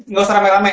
nggak usah ramai ramai